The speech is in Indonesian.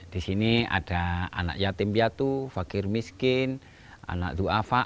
di sini ada anak yatim piatu fakir miskin anak du afa